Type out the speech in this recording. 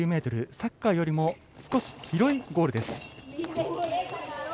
サッカーよりも少し広いゴールです。